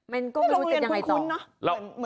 มันก็ไม่รู้จะยังไงต่อ